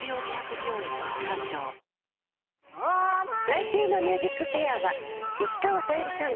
来週の『ＭＵＳＩＣＦＡＩＲ』は石川さゆりさん